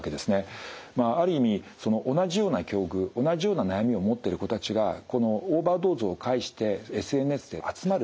まあある意味同じような境遇同じような悩みを持ってる子たちがこのオーバードーズを介してＳＮＳで集まる。